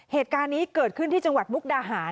เหตุการณ์นี้เกิดขึ้นที่จังหวัดมุกดาหาร